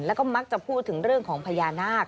แล้วก็มักจะพูดถึงเรื่องของพญานาค